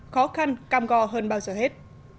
khó khăn cam go hơn bao giờ hết